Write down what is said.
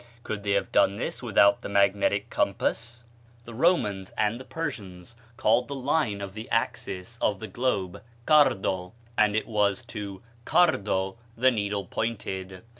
Could they have done this without the magnetic compass? The Romans and the Persians called the line of the axis of the globe cardo, and it was to cardo the needle pointed.